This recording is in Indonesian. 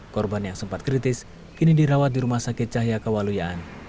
korban yang sempat kritis kini dirawat di rumah sakit cahya kewaluyaan